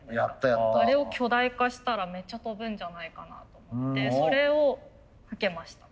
あれを巨大化したらめっちゃ飛ぶんじゃないかなと思ってそれを受けました。